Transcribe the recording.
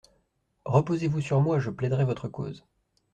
Reposez-vous sur moi, je plaiderai votre cause.